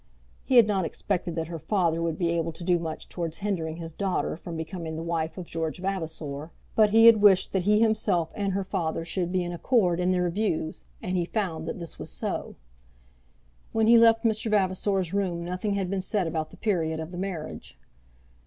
He had not expected that her father would be able to do much towards hindering his daughter from becoming the wife of George Vavasor, but he had wished that he himself and her father should be in accord in their views, and he found that this was so. When he left Mr. Vavasor's room nothing had been said about the period of the marriage.